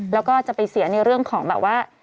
แล้วก็จะไปเสียในเรื่องของแบบว่า